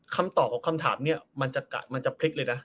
คำตอบกับคำถามนี้มันจะพลิกเลยนะ